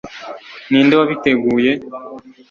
ninde wabiteguye